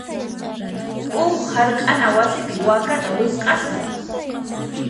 Huk hark'ana wasipi wakata wisq'asun.